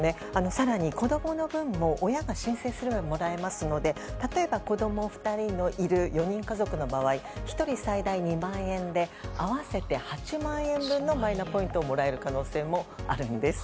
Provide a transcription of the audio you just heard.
更に子供の分も親が申請すればもらえますので例えば、子供２人のいる４人家族の場合１人最大２万円で合わせて８万円分のマイナポイントをもらえる可能性もあるんです。